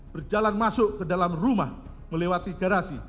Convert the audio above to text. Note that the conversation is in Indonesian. berjalan masuk ke dalam rumah melewati garasi